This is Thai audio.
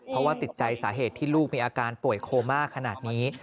เพราะว่าติดใจสาเหตุที่ลูกมีอาการป่วยโคม่าขนาดนี้